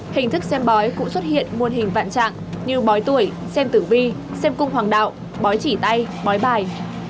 hình thức xem bói cũng xuất hiện muôn hình vạn trạng như bói tuổi xem tử vi xem cung hoàng đạo bói chỉ tay bói bài